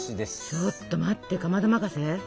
ちょっと待ってかまど任せ？